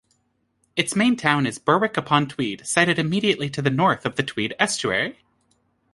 Its main town is Berwick-upon-Tweed, sited immediately to the north of the Tweed estuary.